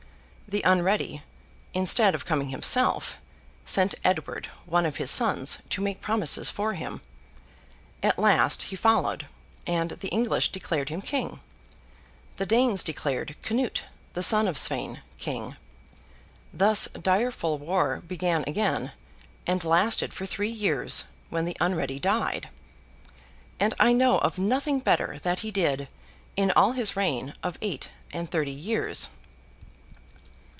The Unready, instead of coming himself, sent Edward, one of his sons, to make promises for him. At last, he followed, and the English declared him King. The Danes declared Canute, the son of Sweyn, King. Thus, direful war began again, and lasted for three years, when the Unready died. And I know of nothing better that he did, in all his reign of eight and thirty years.